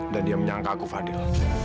dan dia menyangka aku fadil